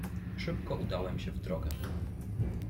"Szybko udałem się w drogę."